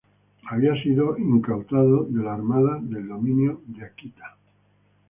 Había sido incautado de la armada del dominio de Akita.